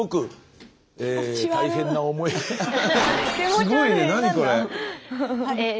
すごいね何これ。